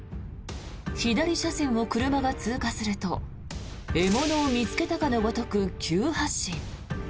左車線を車が通過すると獲物を見つけたかのごとく急発進。